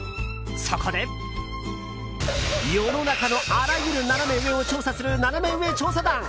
そこで、世の中のあらゆるナナメ上を調査するナナメ上調査団。